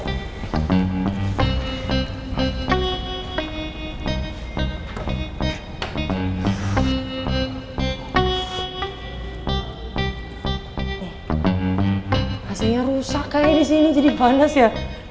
rasanya rusak kali di sini jadi panas ya